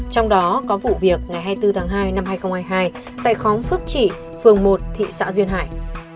trong đó có vụ việc ngày hai mươi bốn tháng hai năm hai nghìn hai mươi hai tại khóm phước chỉ phường một thị xã duyên hải